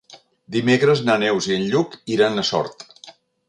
Dimecres na Neus i en Lluc iran a Sort.